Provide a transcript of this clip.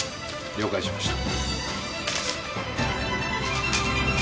了解しました。